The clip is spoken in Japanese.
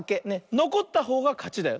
のこったほうがかちだよ。